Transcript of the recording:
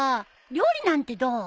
料理なんてどう？